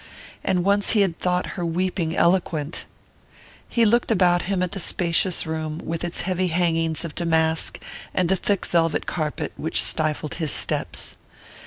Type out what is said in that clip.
And once he had thought her weeping eloquent! He looked about him at the spacious room, with its heavy hangings of damask and the thick velvet carpet which stifled his steps.